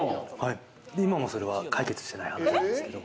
今も、それは解決していないんですけど。